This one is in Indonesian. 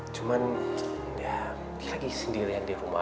cuman ya lagi sendirian di rumah